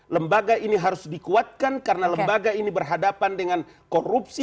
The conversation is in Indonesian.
lembaga ini harus dikuatkan karena lembaga ini berhadapan dengan korupsi